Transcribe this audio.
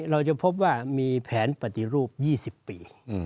เราจะพบว่ามีแผนปฏิรูป๒๐ปี